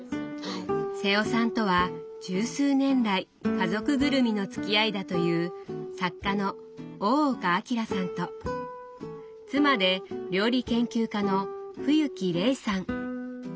瀬尾さんとは十数年来家族ぐるみのつきあいだという作家の大岡玲さんと妻で料理研究家の冬木れいさん。